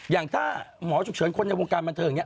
อย่างถ้าหมอฉุกเฉินคนในวงการบันเทิงอย่างนี้